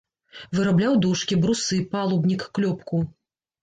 Вырабляў дошкі, брусы, палубнік, клёпку.